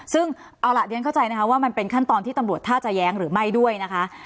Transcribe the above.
ซึ่งเอาล่ะเรียนเข้าใจนะคะว่ามันเป็นขั้นตอนที่ตำรวจท่าจะแย้งหรือไม่ด้วยนะคะ